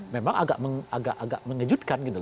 memang agak mengejutkan